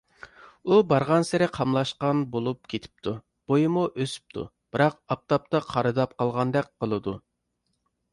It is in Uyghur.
ئۇ بارغانسېرى قاملاشقان بولۇپ كېتىپتۇ، بويىمۇ ئۆسۈپتۇ، بىراق ئاپتاپتا قارىداپ قالغاندەك قىلىدۇ.